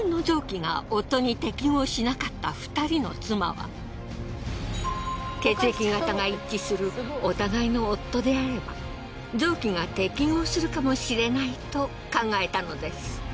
なんと血液型が一致するお互いの夫であれば臓器が適合するかもしれないと考えたのです。